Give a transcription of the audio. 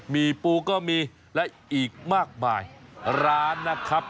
มีปูก็มีและอีกมากมายร้านนะครับ